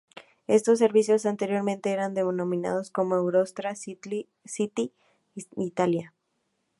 Estos servicios anteriormente eran denominados como Eurostar City Italia.